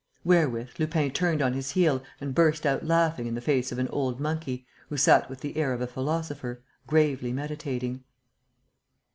Wherewith Lupin turned on his heel and burst out laughing in the face of an old monkey, who sat with the air of a philosopher, gravely meditating.